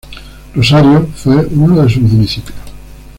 Rosario fue uno de sus municipios.